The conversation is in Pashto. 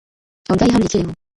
او دا ئې هم ليکلي وو